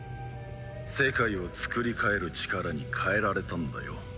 世界をつくり変える力に変えられたんだよ。